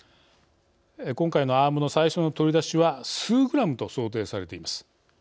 今回のアームの最初の取り出しは数グラムと想定されています。